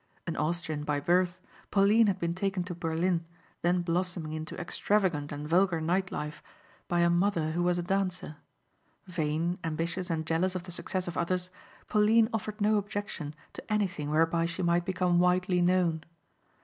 An Austrian by birth, Pauline had been taken to Berlin then blossoming into extravagant and vulgar night life by a mother who was a dancer. Vain, ambitious and jealous of the success of others, Pauline offered no objection to anything whereby she might become widely known.